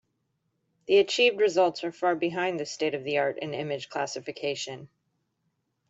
The achieved results are far behind the state-of-the-art in image classification.